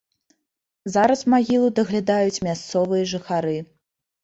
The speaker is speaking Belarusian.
Зараз магілу даглядаюць мясцовыя жыхары.